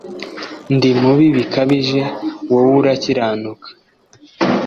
Ndi mubi bikabije, Wow' urakiranuka.